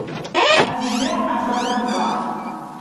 El vidre es va trencar.